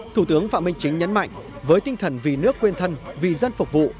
thủ tướng phạm minh chính nhấn mạnh với tinh thần vì nước quên thân vì dân phục vụ